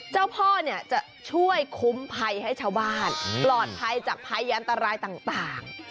เจ้าพ่อเนี่ยจะช่วยคุ้มภัยให้ชาวบ้านปลอดภัยจากภัยยันตรายต่าง